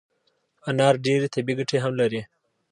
انار ډیري طبي ګټي هم لري